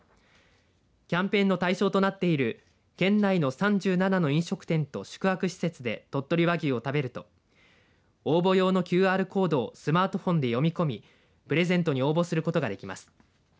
キャンペーンの対象となっている県内の３７の飲食店と宿泊施設で鳥取和牛を食べると応募用のＱＲコードをスマートフォンで読み込みプレゼントに応募することができます。